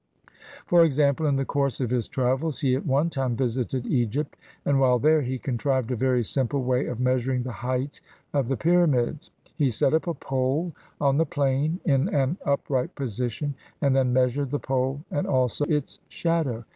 For example, in the course of his travels, he at one time visited Egypt, and while there, he contrived a very simple way of measuring the height of the pyramids. He set up a pole on the plain in an upright position, and then measured the pole and also its shadow.